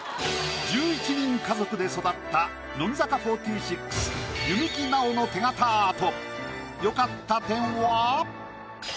１１人家族で育った乃木坂４６弓木奈於の手形アート。